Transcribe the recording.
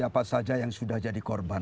siapa saja yang sudah jadi korban